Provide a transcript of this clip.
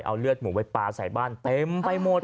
เอาเลือดหมูไปปลาใส่บ้านเต็มไปหมด